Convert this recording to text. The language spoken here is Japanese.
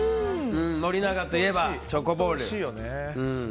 森永といえばチョコボール。